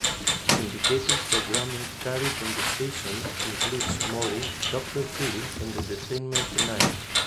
Syndicated programming carried on the station includes "Maury", "Doctor Phil" and "Entertainment Tonight".